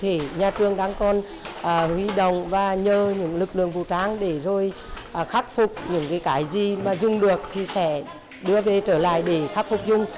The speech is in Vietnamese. thì nhà trường đang còn huy động và nhờ những lực lượng vũ trang để rồi khắc phục những cái gì mà dùng được thì sẽ đưa về trở lại để khắc phục dùng